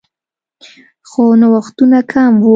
خو نوښتونه کم وو